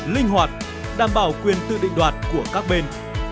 linh hoạt đảm bảo quyền tự định đoạt của các bên